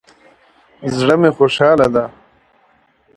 زړه می خوشحاله ده